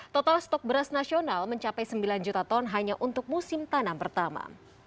total stok beras nasional mencapai sembilan juta ton hanya untuk musim tanam pertama